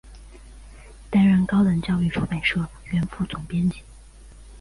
担任高等教育出版社原副总编辑。